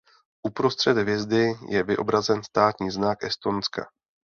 Uprostřed hvězdy je vyobrazen státní znak Estonska.